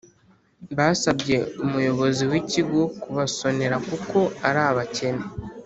Basabye umuyobozi w ikigo kubasonera kuko ari abakene